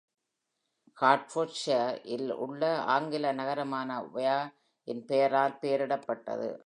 Hertfordshire-இல் உள்ள ஆங்கில நகரமான Ware-இன் பெயரால் பெயரிடப்பட்டது.